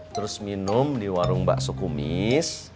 terus minum di warung bakso kumis